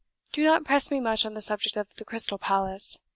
Do not press me much on the subject of the 'Crystal Palace.'